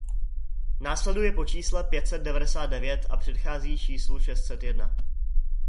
Následuje po čísle pět set devadesát devět a předchází číslu šest set jedna.